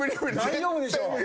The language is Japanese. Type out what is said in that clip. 大丈夫でしょう。